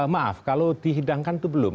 maaf kalau dihidangkan itu belum